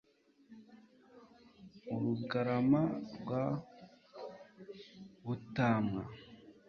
mu rugarama rwa butamwa